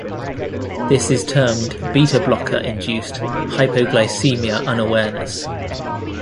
This is termed beta blocker induced hypoglycemia unawareness.